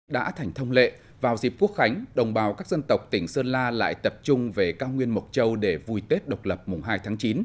đã thành thông lệ vào dịp quốc khánh đồng bào các dân tộc tỉnh sơn la lại tập trung về cao nguyên mộc châu để vui tết độc lập mùng hai tháng chín